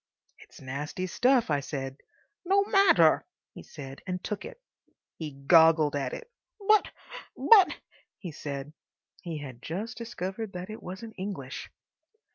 "It's nasty stuff," I said. "No matter," he said, and took it. He goggled at it. "But—but—" he said. He had just discovered that it wasn't English.